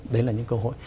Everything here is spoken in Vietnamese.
đấy là những cơ hội